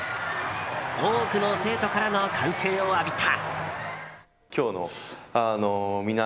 多くの生徒からの歓声を浴びた。